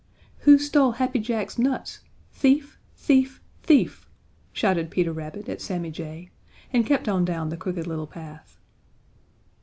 "Who stole Happy Jack's nuts? Thief! Thief! Thief!" shouted Peter Rabbit at Sammy Jay, and kept on down the Crooked Little Path.